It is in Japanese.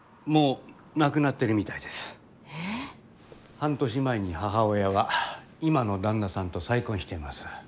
半年前に母親が今の旦那さんと再婚しています。